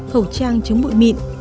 hậu trang chống bụi mịn